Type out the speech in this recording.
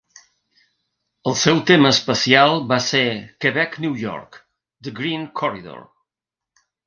El seu tema especial va ser: "Quebec-New York: The Green Corridor".